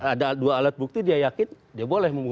ada dua alat bukti dia yakin dia boleh